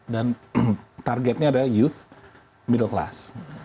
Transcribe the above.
dan targetnya adalah youth middle class